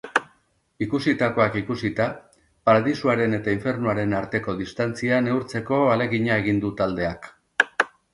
Ikusitakoak ikusita, paradisuaren eta infernuaren arteko distantzia neurtzeko ahalegina egin du taldeak.